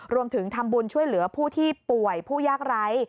รวมถึงทำบุญช่วยเหลือผู้ที่ป่วยผู้ยากไร้